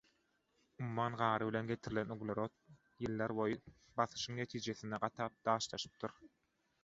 Umman gary bilen getirilen uglerod ýyllar boýy basyşyň netijesinde gatap daşlaşypdyr